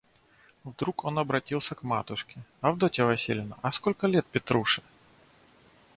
Вдруг он обратился к матушке: «Авдотья Васильевна, а сколько лет Петруше?»